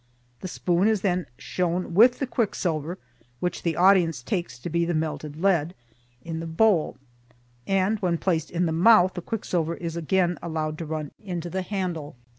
The spoon is then shown with the quicksilver (which the audience takes to be the melted lead) in the bowl, and when placed in the mouth, the quicksilver is again allowed to run into the handle.